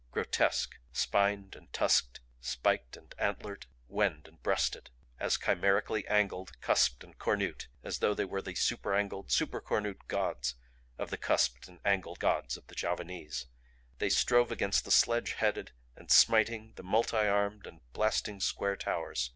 Grotesque; spined and tusked, spiked and antlered, wenned and breasted; as chimerically angled, cusped and cornute as though they were the superangled, supercornute gods of the cusped and angled gods of the Javanese, they strove against the sledge headed and smiting, the multiarmed and blasting square towers.